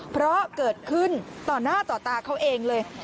เพราะเกิดขึ้นต่อหน้าต่อตาเขาเองเลย